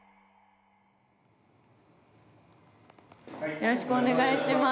・よろしくお願いします。